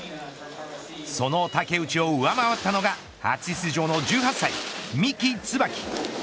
その竹内を上回ったのが初出場の１８歳三木つばき。